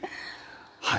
はい。